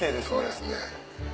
「そうですね」